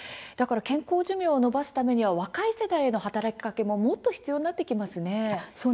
健康寿命を延ばすためには若い世代への働きかけももっと必要になってきますね。